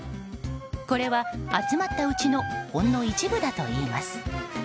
これは集まったうちのほんの一部だといいます。